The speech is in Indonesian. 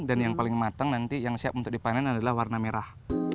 dan yang paling matang nanti yang siap untuk dipanen adalah warna merah